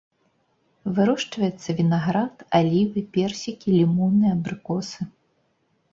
Вырошчваецца вінаград, алівы, персікі, лімоны, абрыкосы.